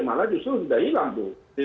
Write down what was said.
malah justru sudah hilang tuh